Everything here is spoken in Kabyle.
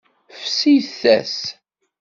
Fsit-as.